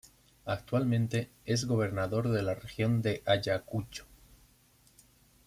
Actualmente, es Gobernador de la Región de Ayacucho.